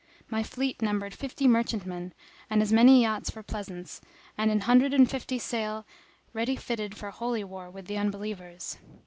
My fleet numbered fifty merchantmen, and as many yachts for pleasance, and an hundred and fifty sail ready fitted for holy war with the Unbelievers.